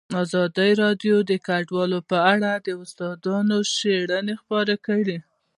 ازادي راډیو د کډوال په اړه د استادانو شننې خپرې کړي.